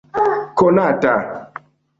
konata